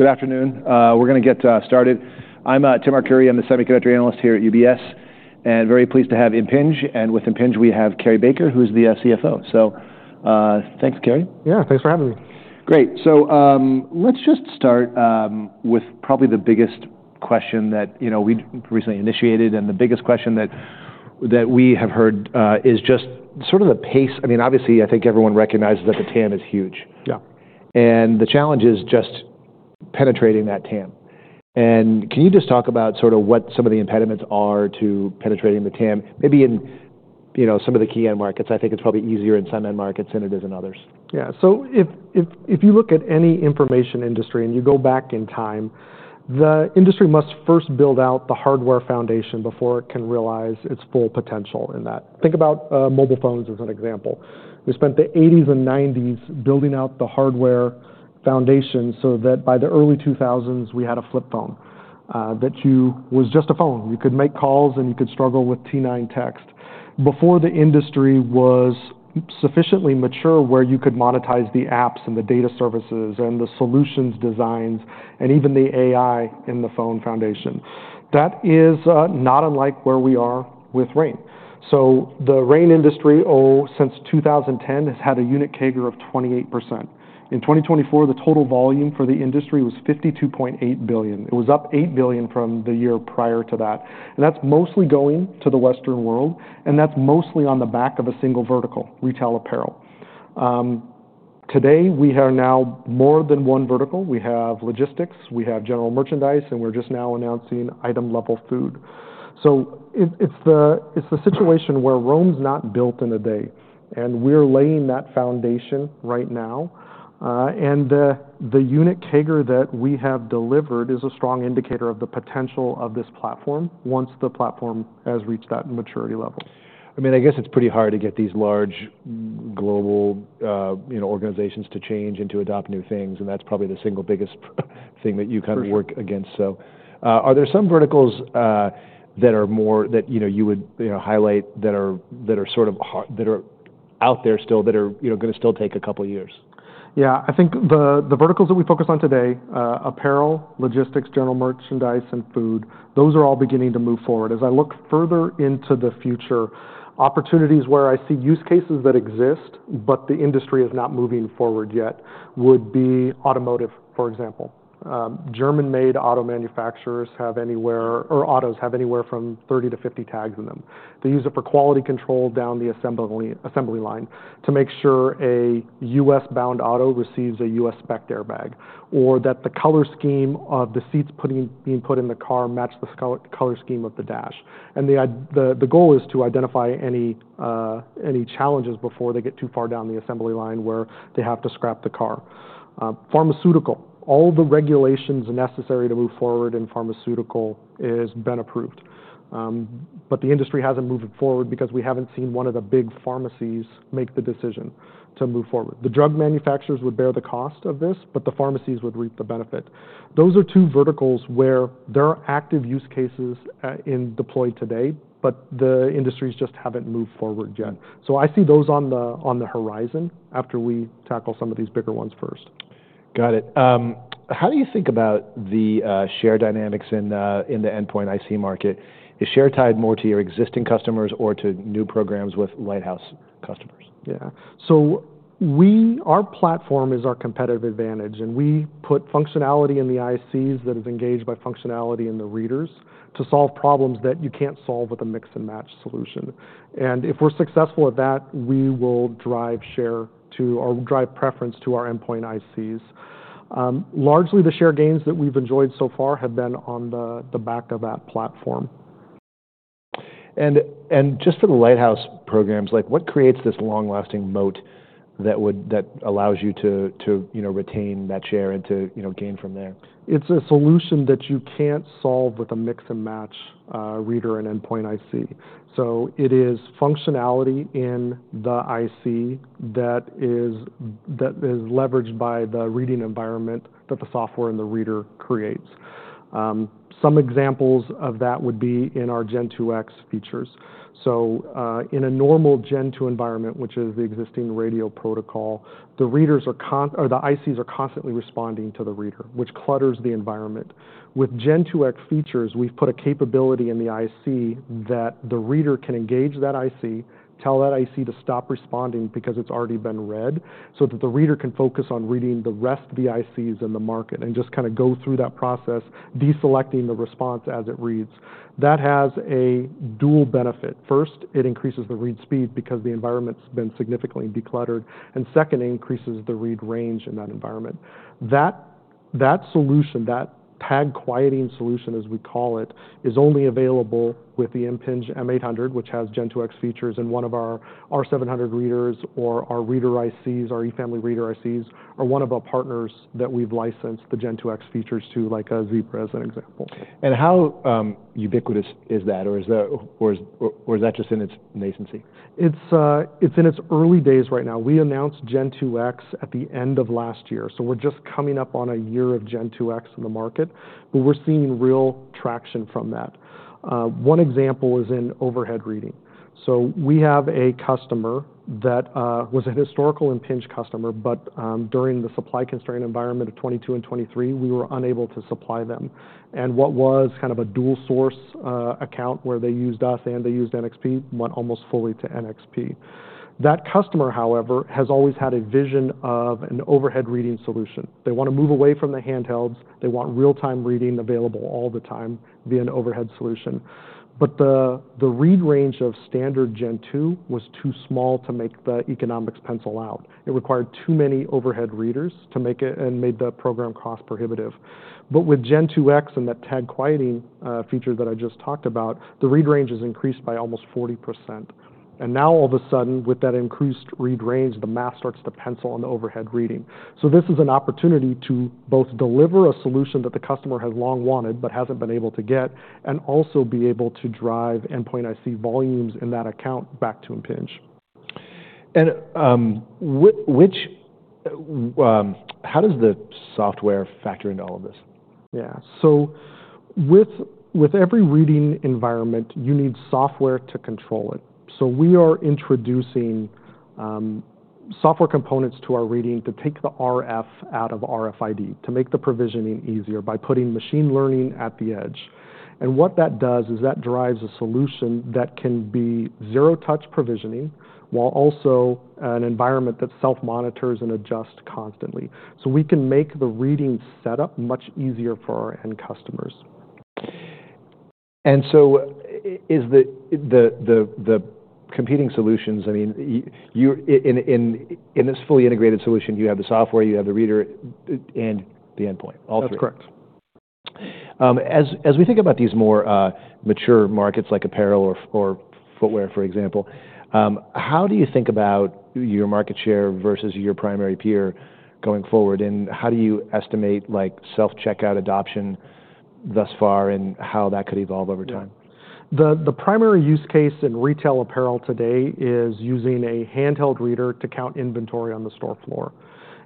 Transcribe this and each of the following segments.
Good afternoon. We're going to get started. I'm Tim Arcuri. I'm the semiconductor analyst here at UBS, and very pleased to have Impinj, and with Impinj, we have Cary Baker, who is the CFO. So thanks, Cary. Yeah, thanks for having me. Great. So let's just start with probably the biggest question that we recently initiated, and the biggest question that we have heard is just sort of the pace. I mean, obviously, I think everyone recognizes that the TAM is huge. Yeah. And the challenge is just penetrating that TAM. And can you just talk about sort of what some of the impediments are to penetrating the TAM, maybe in some of the key end markets? I think it's probably easier in some end markets than it is in others. Yeah. So if you look at any information industry and you go back in time, the industry must first build out the hardware foundation before it can realize its full potential in that. Think about mobile phones as an example. We spent the '80s and '90s building out the hardware foundation so that by the early 2000s, we had a flip phone that was just a phone. You could make calls, and you could struggle with T9 text. Before the industry was sufficiently mature where you could monetize the apps and the data services and the solutions designs and even the AI in the phone foundation, that is not unlike where we are with RAIN. So the RAIN industry, oh, since 2010, has had a unit CAGR of 28%. In 2024, the total volume for the industry was 52.8 billion. It was up 8 billion from the year prior to that. And that's mostly going to the Western world, and that's mostly on the back of a single vertical, retail apparel. Today, we have now more than one vertical. We have logistics, we have general merchandise, and we're just now announcing item-level food. So it's the situation where Rome's not built in a day, and we're laying that foundation right now. And the unit CAGR that we have delivered is a strong indicator of the potential of this platform once the platform has reached that maturity level. I mean, I guess it's pretty hard to get these large global organizations to change and to adopt new things, and that's probably the single biggest thing that you kind of work against. So are there some verticals that are more that you would highlight that are sort of out there still that are going to still take a couple of years? Yeah. I think the verticals that we focus on today, apparel, logistics, general merchandise, and food, those are all beginning to move forward. As I look further into the future, opportunities where I see use cases that exist but the industry is not moving forward yet would be automotive, for example. German-made auto manufacturers have autos with anywhere from 30-50 tags in them. They use it for quality control down the assembly line to make sure a U.S.-bound auto receives a U.S.-spec airbag, or that the color scheme of the seats being put in the car match the color scheme of the dash, and the goal is to identify any challenges before they get too far down the assembly line where they have to scrap the car. Pharmaceutical, all the regulations necessary to move forward in pharmaceuticals have been approved, but the industry hasn't moved forward because we haven't seen one of the big pharmacies make the decision to move forward. The drug manufacturers would bear the cost of this, but the pharmacies would reap the benefit. Those are two verticals where there are active use cases deployed today, but the industries just haven't moved forward yet. So I see those on the horizon after we tackle some of these bigger ones first. Got it. How do you think about the share dynamics in the endpoint IC market? Is share tied more to your existing customers or to new programs with Lighthouse customers? Yeah. So our platform is our competitive advantage, and we put functionality in the ICs that is engaged by functionality in the readers to solve problems that you can't solve with a mix-and-match solution. And if we're successful at that, we will drive share to or drive preference to our endpoint ICs. Largely, the share gains that we've enjoyed so far have been on the back of that platform. Just for the Lighthouse programs, what creates this long-lasting moat that allows you to retain that share and to gain from there? It's a solution that you can't solve with a mix-and-match reader and endpoint IC. So it is functionality in the IC that is leveraged by the reading environment that the software and the reader creates. Some examples of that would be in our Gen2X features. So in a normal Gen2 environment, which is the existing radio protocol, the readers or the ICs are constantly responding to the reader, which clutters the environment. With Gen2X features, we've put a capability in the IC that the reader can engage that IC, tell that IC to stop responding because it's already been read so that the reader can focus on reading the rest of the ICs in the market and just kind of go through that process, deselecting the response as it reads. That has a dual benefit. First, it increases the read speed because the environment's been significantly decluttered, and second, it increases the read range in that environment. That solution, that tag quieting solution, as we call it, is only available with the Impinj M800, which has Gen2X features, and one of our R700 readers or our reader ICs, our E-family reader ICs, or one of our partners that we've licensed the Gen2X features to, like Zebra as an example. How ubiquitous is that, or is that just in its nascency? It's in its early days right now. We announced Gen2X at the end of last year, so we're just coming up on a year of Gen2X in the market, but we're seeing real traction from that. One example is in overhead reading. So we have a customer that was a historical Impinj customer, but during the supply constraint environment of 2022 and 2023, we were unable to supply them. And what was kind of a dual-source account where they used us and they used NXP went almost fully to NXP. That customer, however, has always had a vision of an overhead reading solution. They want to move away from the handhelds. They want real-time reading available all the time via an overhead solution. But the read range of standard Gen2 was too small to make the economics pencil out. It required too many overhead readers to make it and made the program cost prohibitive, but with Gen2X and that tag quieting feature that I just talked about, the read range has increased by almost 40%, and now, all of a sudden, with that increased read range, the math starts to pencil on the overhead reading, so this is an opportunity to both deliver a solution that the customer has long wanted but hasn't been able to get, and also be able to drive endpoint IC volumes in that account back to Impinj. How does the software factor into all of this? Yeah. So with every reading environment, you need software to control it. So we are introducing software components to our reading to take the RF out of RFID, to make the provisioning easier by putting machine learning at the edge. And what that does is that drives a solution that can be zero-touch provisioning while also an environment that self-monitors and adjusts constantly. So we can make the reading setup much easier for our end customers. And so is the competing solutions, I mean, in this fully integrated solution, you have the software, you have the reader, and the endpoint, all three? That's correct. As we think about these more mature markets like apparel or footwear, for example, how do you think about your market share versus your primary peer going forward? And how do you estimate self-checkout adoption thus far and how that could evolve over time? The primary use case in retail apparel today is using a handheld reader to count inventory on the store floor.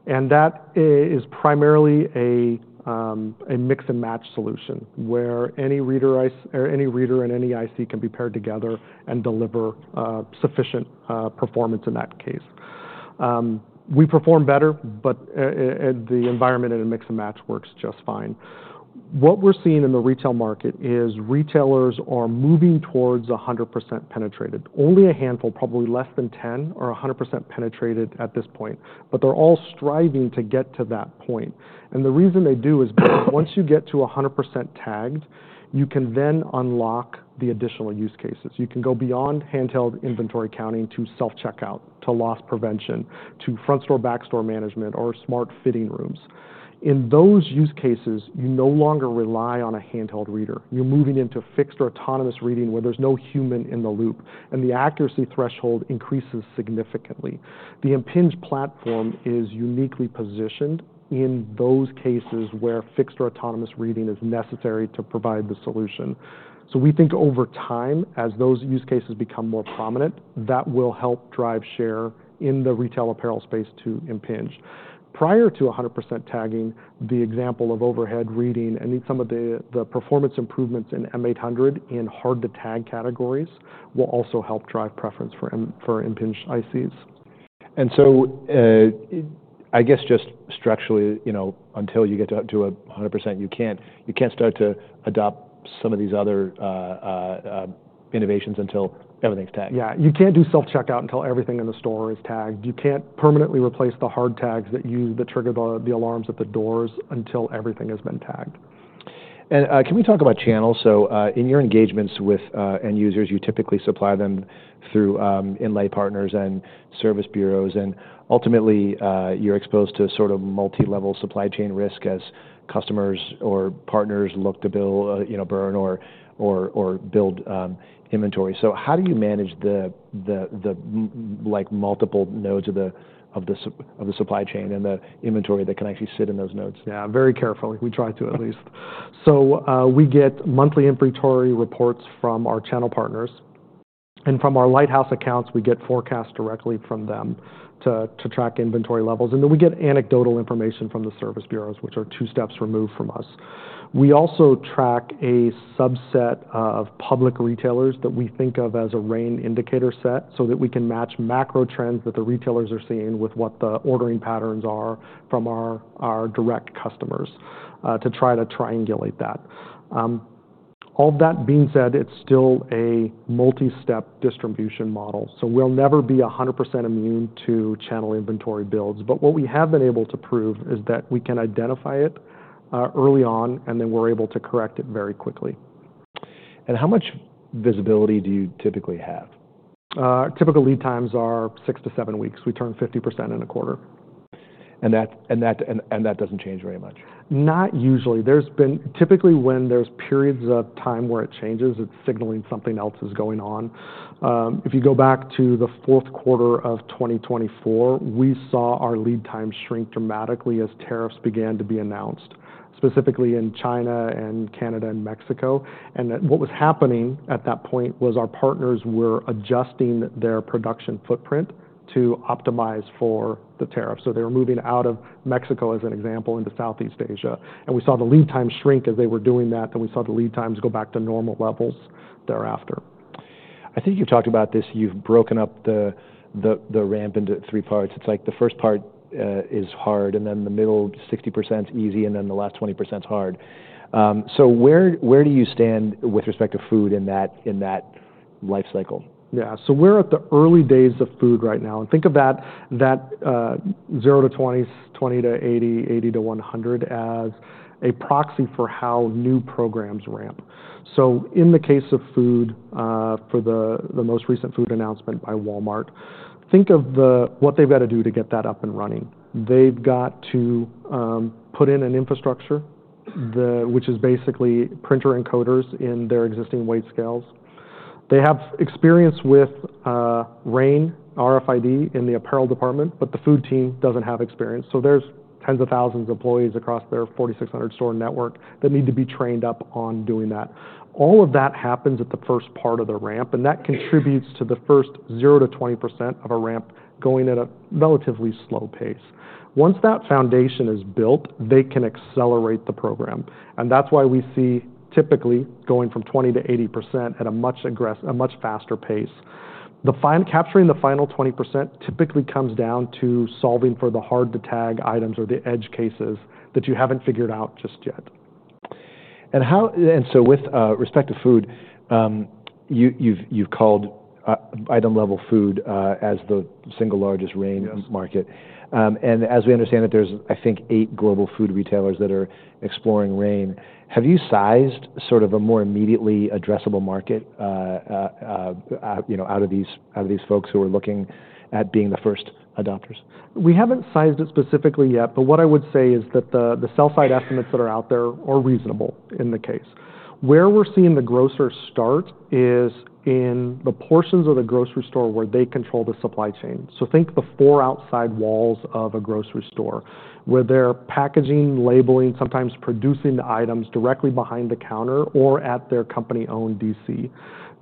And that is primarily a mix-and-match solution where any reader and any IC can be paired together and deliver sufficient performance in that case. We perform better, but the environment in a mix-and-match works just fine. What we're seeing in the retail market is retailers are moving towards 100% penetrated. Only a handful, probably less than 10, are 100% penetrated at this point, but they're all striving to get to that point. And the reason they do is once you get to 100% tagged, you can then unlock the additional use cases. You can go beyond handheld inventory counting to self-checkout, to loss prevention, to front-store, back-store management, or smart fitting rooms. In those use cases, you no longer rely on a handheld reader. You're moving into fixed or autonomous reading where there's no human in the loop, and the accuracy threshold increases significantly. The Impinj platform is uniquely positioned in those cases where fixed or autonomous reading is necessary to provide the solution. So we think over time, as those use cases become more prominent, that will help drive share in the retail apparel space to Impinj. Prior to 100% tagging, the example of overhead reading and some of the performance improvements in M800 in hard-to-tag categories will also help drive preference for Impinj ICs. And so I guess just structurally, until you get to 100%, you can't start to adopt some of these other innovations until everything's tagged. Yeah. You can't do self-checkout until everything in the store is tagged. You can't permanently replace the hard tags that trigger the alarms at the doors until everything has been tagged. Can we talk about channels? So in your engagements with end users, you typically supply them through inlay partners and service bureaus, and ultimately, you're exposed to sort of multi-level supply chain risk as customers or partners look to burn or build inventory. So how do you manage the multiple nodes of the supply chain and the inventory that can actually sit in those nodes? Yeah, very carefully. We try to at least. We get monthly inventory reports from our channel partners. From our Lighthouse accounts, we get forecasts directly from them to track inventory levels. Then we get anecdotal information from the service bureaus, which are two steps removed from us. We also track a subset of public retailers that we think of as a RAIN indicator set so that we can match macro trends that the retailers are seeing with what the ordering patterns are from our direct customers to try to triangulate that. All that being said, it's still a multi-step distribution model. We'll never be 100% immune to channel inventory builds. What we have been able to prove is that we can identify it early on, and then we're able to correct it very quickly. How much visibility do you typically have? Typical lead times are six to seven weeks. We turn 50% in a quarter. And that doesn't change very much? Not usually. Typically, when there's periods of time where it changes, it's signaling something else is going on. If you go back to the fourth quarter of 2024, we saw our lead time shrink dramatically as tariffs began to be announced, specifically in China and Canada and Mexico, and what was happening at that point was our partners were adjusting their production footprint to optimize for the tariff, so they were moving out of Mexico, as an example, into Southeast Asia, and we saw the lead time shrink as they were doing that, and we saw the lead times go back to normal levels thereafter. I think you've talked about this. You've broken up the ramp into three parts. It's like the first part is hard, and then the middle 60% is easy, and then the last 20% is hard. So where do you stand with respect to food in that life cycle? Yeah, so we're at the early days of food right now and think of that 0 to 20, 20 to 80, 80 to 100 as a proxy for how new programs ramp, so in the case of food, for the most recent food announcement by Walmart, think of what they've got to do to get that up and running. They've got to put in an infrastructure, which is basically printer encoders in their existing weight scales. They have experience with RAIN RFID in the apparel department, but the food team doesn't have experience, so there's tens of thousands of employees across their 4,600-store network that need to be trained up on doing that. All of that happens at the first part of the ramp, and that contributes to the first 0 to 20% of a ramp going at a relatively slow pace. Once that foundation is built, they can accelerate the program. And that's why we see typically going from 20%-80% at a much faster pace. Capturing the final 20% typically comes down to solving for the hard-to-tag items or the edge cases that you haven't figured out just yet. With respect to food, you've called item-level food as the single largest RAIN market. As we understand it, there's, I think, eight global food retailers that are exploring RAIN. Have you sized sort of a more immediately addressable market out of these folks who are looking at being the first adopters? We haven't sized it specifically yet, but what I would say is that the sell-side estimates that are out there are reasonable in the case. Where we're seeing the grocer start is in the portions of the grocery store where they control the supply chain. So think the four outside walls of a grocery store where they're packaging, labeling, sometimes producing the items directly behind the counter or at their company-owned DC.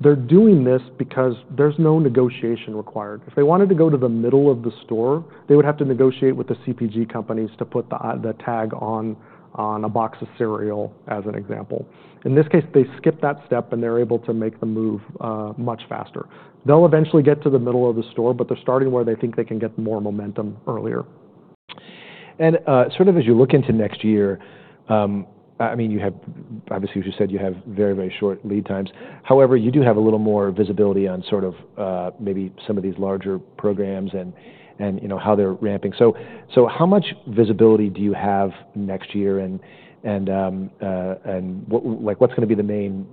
They're doing this because there's no negotiation required. If they wanted to go to the middle of the store, they would have to negotiate with the CPG companies to put the tag on a box of cereal, as an example. In this case, they skipped that step, and they're able to make the move much faster. They'll eventually get to the middle of the store, but they're starting where they think they can get more momentum earlier. And sort of as you look into next year, I mean, obviously, as you said, you have very, very short lead times. However, you do have a little more visibility on sort of maybe some of these larger programs and how they're ramping. So how much visibility do you have next year, and what's going to be the main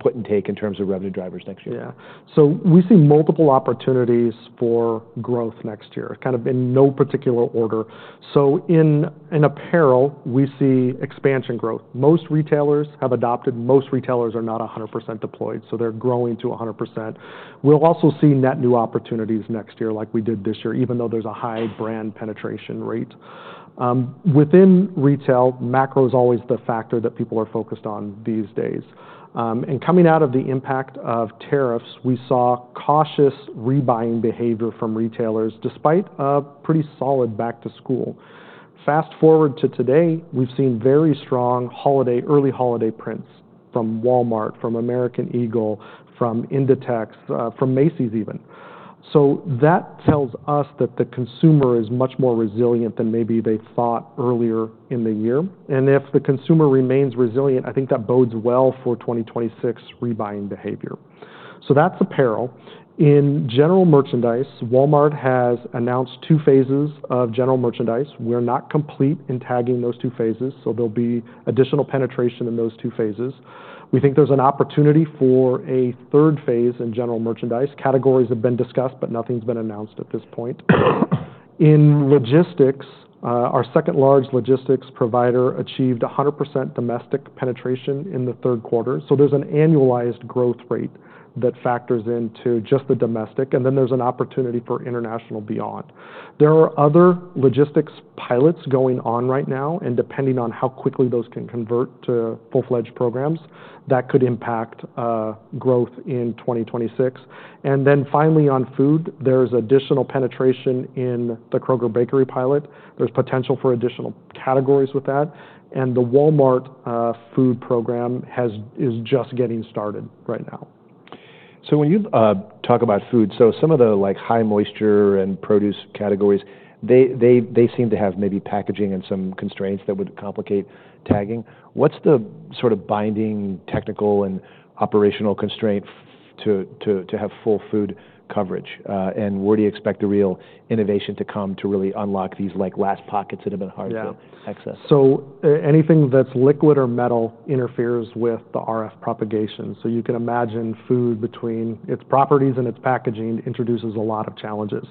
put and take in terms of revenue drivers next year? Yeah. So we see multiple opportunities for growth next year, kind of in no particular order. So in apparel, we see expansion growth. Most retailers have adopted. Most retailers are not 100% deployed, so they're growing to 100%. We'll also see net new opportunities next year like we did this year, even though there's a high brand penetration rate. Within retail, macro is always the factor that people are focused on these days. And coming out of the impact of tariffs, we saw cautious rebuying behavior from retailers despite a pretty solid back-to-school. Fast forward to today, we've seen very strong early holiday prints from Walmart, from American Eagle, from Inditex, from Macy's even. So that tells us that the consumer is much more resilient than maybe they thought earlier in the year. And if the consumer remains resilient, I think that bodes well for 2026 rebuying behavior. So that's apparel. In general merchandise, Walmart has announced two phases of general merchandise. We're not complete in tagging those two phases, so there'll be additional penetration in those two phases. We think there's an opportunity for a third phase in general merchandise. Categories have been discussed, but nothing's been announced at this point. In logistics, our second-largest logistics provider achieved 100% domestic penetration in the third quarter. So there's an annualized growth rate that factors into just the domestic, and then there's an opportunity for international beyond. There are other logistics pilots going on right now, and depending on how quickly those can convert to full-fledged programs, that could impact growth in 2026. And then finally, on food, there's additional penetration in the Kroger bakery pilot. There's potential for additional categories with that. And the Walmart food program is just getting started right now. When you talk about food, so some of the high moisture and produce categories, they seem to have maybe packaging and some constraints that would complicate tagging. What's the sort of binding technical and operational constraint to have full food coverage? And where do you expect the real innovation to come to really unlock these last pockets that have been hard to access? Yeah. So anything that's liquid or metal interferes with the RF propagation. So you can imagine food between its properties and its packaging introduces a lot of challenges.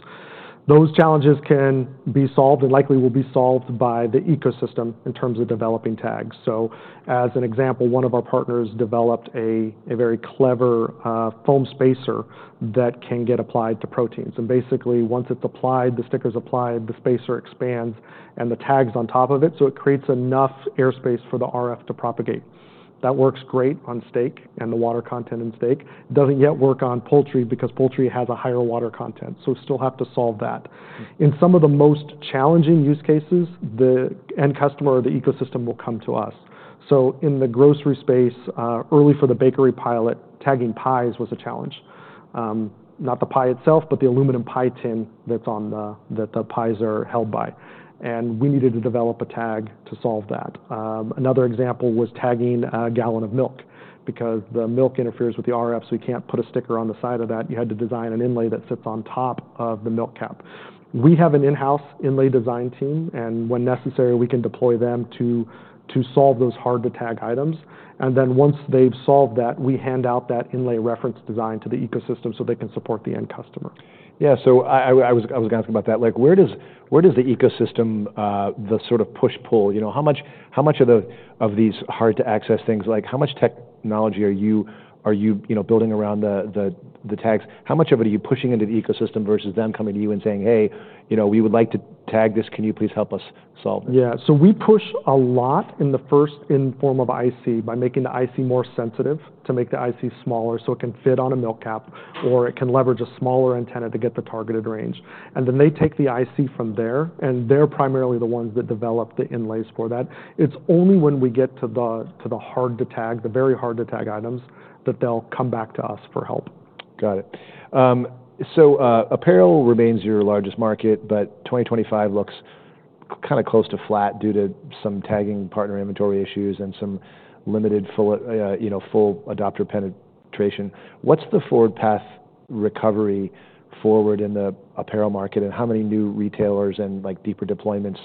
Those challenges can be solved and likely will be solved by the ecosystem in terms of developing tags. So as an example, one of our partners developed a very clever foam spacer that can get applied to proteins. And basically, once it's applied, the sticker's applied, the spacer expands, and the tag's on top of it, so it creates enough airspace for the RF to propagate. That works great on steak and the water content in steak. Doesn't yet work on poultry because poultry has a higher water content, so we still have to solve that. In some of the most challenging use cases, the end customer or the ecosystem will come to us. In the grocery space, early for the bakery pilot, tagging pies was a challenge. Not the pie itself, but the aluminum pie tin that the pies are held by. And we needed to develop a tag to solve that. Another example was tagging a gallon of milk because the milk interferes with the RF, so you can't put a sticker on the side of that. You had to design an inlay that sits on top of the milk cap. We have an in-house inlay design team, and when necessary, we can deploy them to solve those hard-to-tag items. And then once they've solved that, we hand out that inlay reference design to the ecosystem so they can support the end customer. Yeah. So I was going to ask about that. Where does the ecosystem, the sort of push-pull, how much of these hard-to-access things, how much technology are you building around the tags? How much of it are you pushing into the ecosystem versus them coming to you and saying, "Hey, we would like to tag this. Can you please help us solve this? Yeah. So we push a lot in the form of IC by making the IC more sensitive to make the IC smaller so it can fit on a milk cap or it can leverage a smaller antenna to get the targeted range. Then they take the IC from there, and they're primarily the ones that develop the inlays for that. It's only when we get to the hard-to-tag, the very hard-to-tag items, that they'll come back to us for help. Got it. So apparel remains your largest market, but 2025 looks kind of close to flat due to some tagging partner inventory issues and some limited full adopter penetration. What's the forward path recovery in the apparel market, and how many new retailers and deeper deployments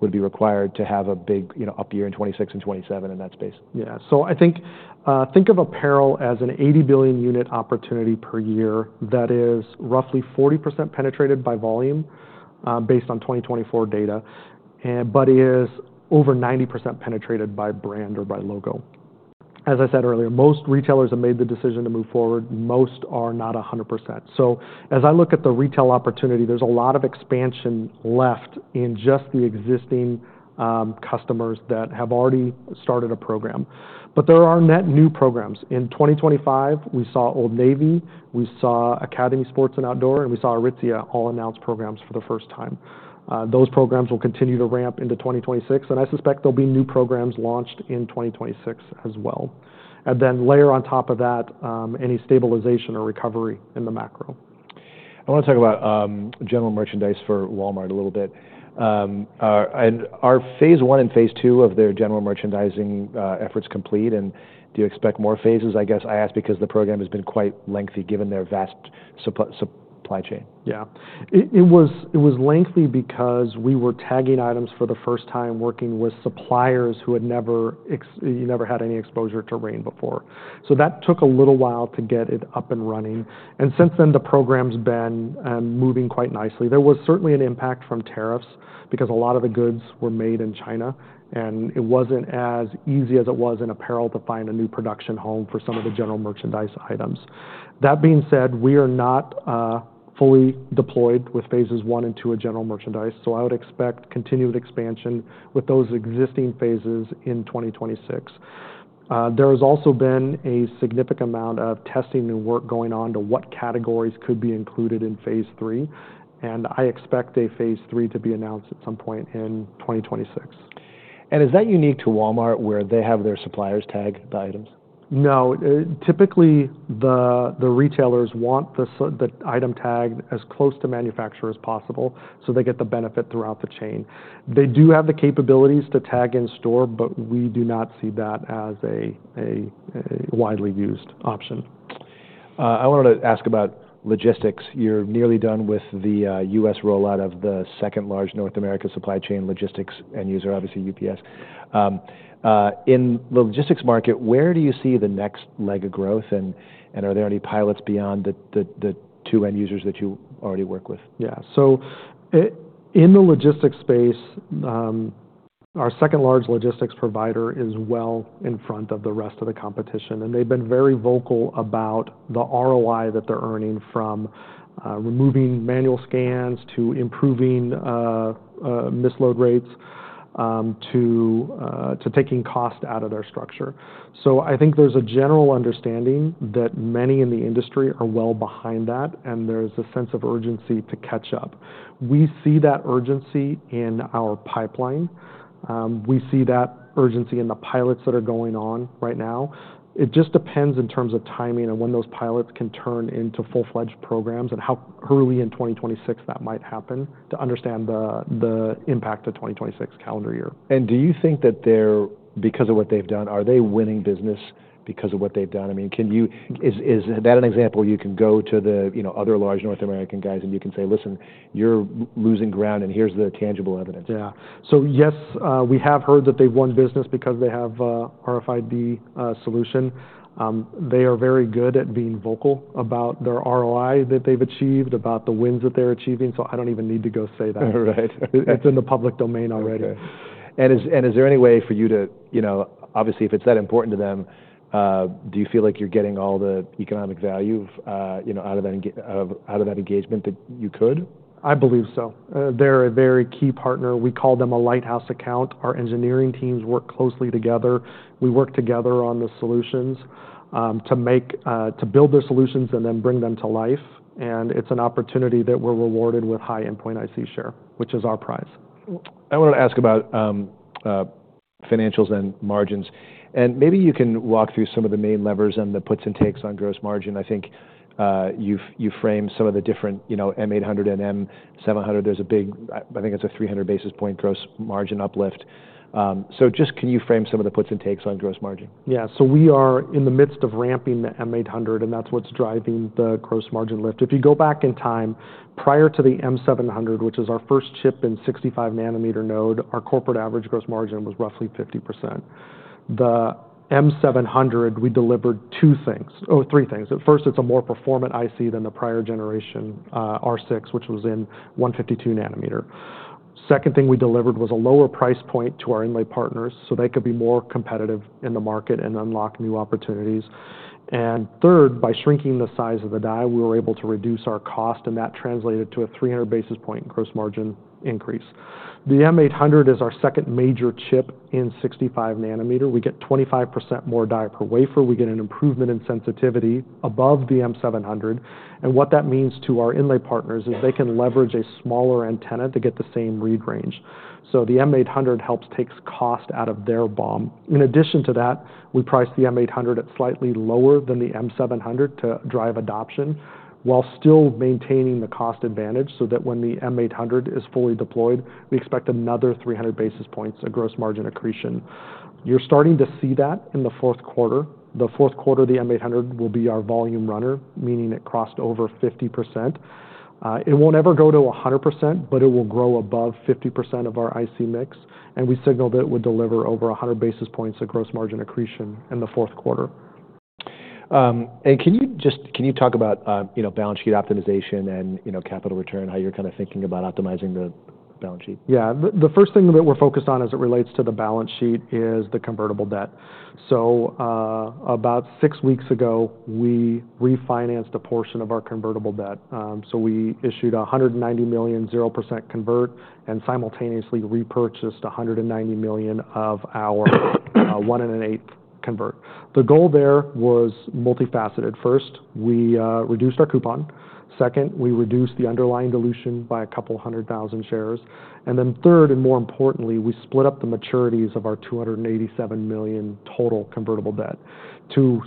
would be required to have a big up year in 2026 and 2027 in that space? Yeah. So I think of apparel as an 80 billion unit opportunity per year that is roughly 40% penetrated by volume based on 2024 data, but is over 90% penetrated by brand or by logo. As I said earlier, most retailers have made the decision to move forward. Most are not 100%. So as I look at the retail opportunity, there's a lot of expansion left in just the existing customers that have already started a program, but there are net new programs. In 2025, we saw Old Navy, we saw Academy Sports + Outdoors, and we saw Aritzia all announce programs for the first time. Those programs will continue to ramp into 2026, and I suspect there'll be new programs launched in 2026 as well, and then layer on top of that, any stabilization or recovery in the macro. I want to talk about general merchandise for Walmart a little bit. And are phase one and phase two of their general merchandising efforts complete? And do you expect more phases? I guess I ask because the program has been quite lengthy given their vast supply chain. Yeah. It was lengthy because we were tagging items for the first time, working with suppliers who had never had any exposure to RAIN before. So that took a little while to get it up and running. And since then, the program's been moving quite nicely. There was certainly an impact from tariffs because a lot of the goods were made in China, and it wasn't as easy as it was in apparel to find a new production home for some of the general merchandise items. That being said, we are not fully deployed with phases one and two of general merchandise, so I would expect continued expansion with those existing phases in 2026. There has also been a significant amount of testing and work going on to what categories could be included in phase three, and I expect a phase three to be announced at some point in 2026. Is that unique to Walmart where they have their suppliers tag the items? No. Typically, the retailers want the item tagged as close to manufacturer as possible so they get the benefit throughout the chain. They do have the capabilities to tag in store, but we do not see that as a widely used option. I wanted to ask about logistics. You're nearly done with the U.S. rollout of the second-largest North American supply chain logistics end user, obviously UPS. In the logistics market, where do you see the next leg of growth, and are there any pilots beyond the two end users that you already work with? Yeah. So in the logistics space, our second-largest logistics provider is well in front of the rest of the competition, and they've been very vocal about the ROI that they're earning from removing manual scans to improving misload rates to taking cost out of their structure. So I think there's a general understanding that many in the industry are well behind that, and there's a sense of urgency to catch up. We see that urgency in our pipeline. We see that urgency in the pilots that are going on right now. It just depends in terms of timing and when those pilots can turn into full-fledged programs and how early in 2026 that might happen to understand the impact of 2026 calendar year. Do you think that they're, because of what they've done, are they winning business because of what they've done? I mean, is that an example you can go to the other large North American guys and you can say, "Listen, you're losing ground, and here's the tangible evidence"? Yeah. So yes, we have heard that they've won business because they have RFID solution. They are very good at being vocal about their ROI that they've achieved, about the wins that they're achieving, so I don't even need to go say that. It's in the public domain already. And is there any way for you to, obviously, if it's that important to them, do you feel like you're getting all the economic value out of that engagement that you could? I believe so. They're a very key partner. We call them a Lighthouse account. Our engineering teams work closely together. We work together on the solutions to build their solutions and then bring them to life, and it's an opportunity that we're rewarded with high endpoint IC share, which is our prize. I want to ask about financials and margins. Maybe you can walk through some of the main levers and the puts and takes on gross margin. I think you framed some of the different M800 and M700. There's a big, I think it's a 300 basis points gross margin uplift. Just can you frame some of the puts and takes on gross margin? Yeah. So we are in the midst of ramping the M800, and that's what's driving the gross margin lift. If you go back in time, prior to the M700, which is our first chip in 65nm node, our corporate average gross margin was roughly 50%. The M700, we delivered two things, or three things. First, it's a more performant IC than the prior generation R6, which was in 152nm. Second thing we delivered was a lower price point to our inlay partners so they could be more competitive in the market and unlock new opportunities. And third, by shrinking the size of the die, we were able to reduce our cost, and that translated to a 300 basis point gross margin increase. The M800 is our second major chip in 65nm. We get 25% more die per wafer. We get an improvement in sensitivity above the M700. And what that means to our inlay partners is they can leverage a smaller antenna to get the same read range. So the M800 helps take cost out of their BOM. In addition to that, we priced the M800 at slightly lower than the M700 to drive adoption while still maintaining the cost advantage so that when the M800 is fully deployed, we expect another 300 basis points of gross margin accretion. You're starting to see that in the fourth quarter. The fourth quarter, the M800 will be our volume runner, meaning it crossed over 50%. It won't ever go to 100%, but it will grow above 50% of our IC mix, and we signal that it would deliver over 100 basis points of gross margin accretion in the fourth quarter. Can you just talk about balance sheet optimization and capital return, how you're kind of thinking about optimizing the balance sheet? Yeah. The first thing that we're focused on as it relates to the balance sheet is the convertible debt. So about six weeks ago, we refinanced a portion of our convertible debt. So we issued $190 million, 0% convert, and simultaneously repurchased $190 million of our 1 1/8% convert. The goal there was multifaceted. First, we reduced our coupon. Second, we reduced the underlying dilution by a couple hundred thousand shares. And then third, and more importantly, we split up the maturities of our $287 million total convertible debt to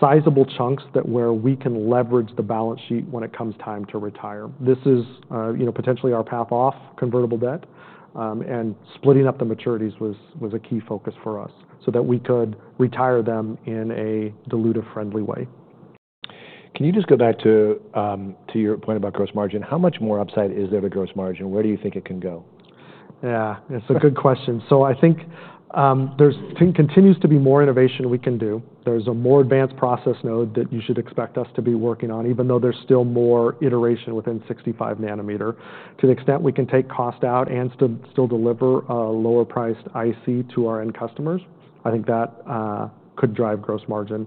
sizable chunks where we can leverage the balance sheet when it comes time to retire. This is potentially our path off convertible debt, and splitting up the maturities was a key focus for us so that we could retire them in a dilutive-friendly way. Can you just go back to your point about gross margin? How much more upside is there to gross margin? Where do you think it can go? Yeah. It's a good question. So I think there continues to be more innovation we can do. There's a more advanced process node that you should expect us to be working on, even though there's still more iteration within 65nm. To the extent we can take cost out and still deliver a lower-priced IC to our end customers, I think that could drive gross margin.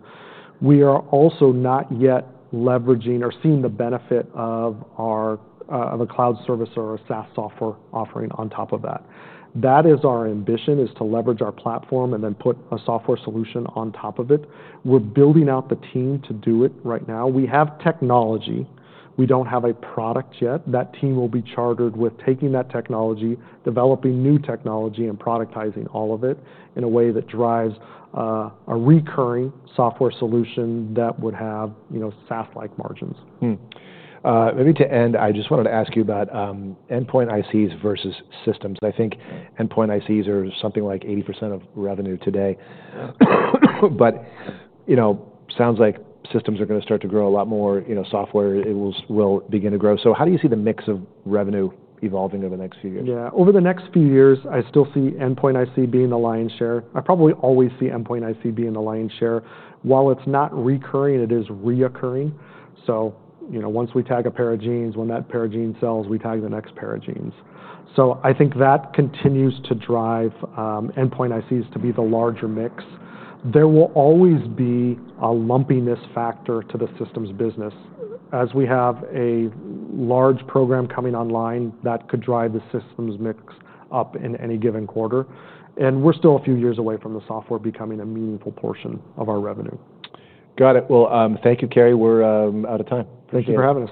We are also not yet leveraging or seeing the benefit of a cloud service or a SaaS software offering on top of that. That is our ambition, is to leverage our platform and then put a software solution on top of it. We're building out the team to do it right now. We have technology. We don't have a product yet. That team will be chartered with taking that technology, developing new technology, and productizing all of it in a way that drives a recurring software solution that would have SaaS-like margins. Maybe to end, I just wanted to ask you about endpoint ICs versus systems. I think endpoint ICs are something like 80% of revenue today, but it sounds like systems are going to start to grow a lot more. Software will begin to grow. So how do you see the mix of revenue evolving over the next few years? Yeah. Over the next few years, I still see Endpoint IC being the lion's share. I probably always see Endpoint IC being the lion's share. While it's not recurring, it is recurring. So once we tag a pair of jeans, when that pair of jeans sells, we tag the next pair of jeans. So I think that continues to drive Endpoint ICs to be the larger mix. There will always be a lumpiness factor to the systems business as we have a large program coming online that could drive the systems mix up in any given quarter. And we're still a few years away from the software becoming a meaningful portion of our revenue. Got it. Well, thank you, Cary. We're out of time. Thank you for having me.